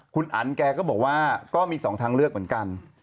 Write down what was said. คุณอันแกก็บอกว่าก็มี๒ทางเลือกเหมือนกัน